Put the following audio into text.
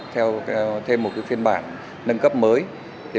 theo thêm một phiên bản nâng cấp mới